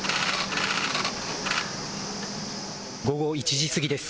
午後１時過ぎです。